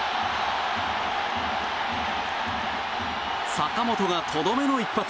坂本がとどめの一発！